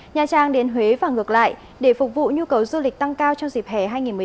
nha trang đến huế và ngược lại để phục vụ nhu cầu du lịch tăng cao trong dịp hẻ hai nghìn một mươi chín